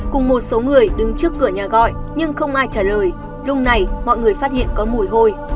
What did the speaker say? cùng một số người đứng trước cửa nhà gọi nhưng không ai trả lời lúc này mọi người phát hiện có mùi hôi